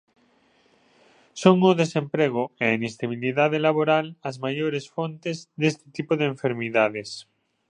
Son o desemprego e a inestabilidade laboral as maiores fontes deste tipo de enfermidades.